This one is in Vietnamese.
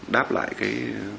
đáp lại cái